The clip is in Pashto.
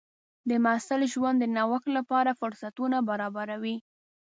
د محصل ژوند د نوښت لپاره فرصتونه برابروي.